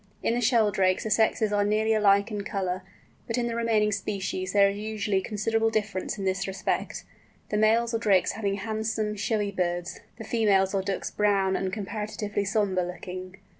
In the Sheldrakes the sexes are nearly alike in colour, but in the remaining species there is usually considerable difference in this respect, the males or drakes being handsome, showy birds, the females or ducks brown and comparatively sombre looking.